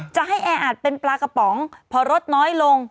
จะให้แออัดเป็นปลากระป๋องพอรสน้อยลง